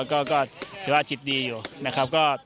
ก็ถือว่าจิตดีอยู่นะครับ